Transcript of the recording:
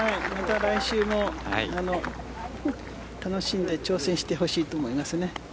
また、来週も楽しんで挑戦してほしいと思いますね。